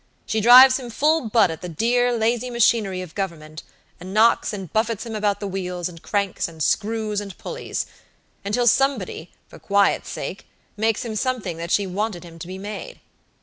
She drives him full butt at the dear, lazy machinery of government, and knocks and buffets him about the wheels, and cranks, and screws, and pulleys; until somebody, for quiet's sake, makes him something that she wanted him to be made.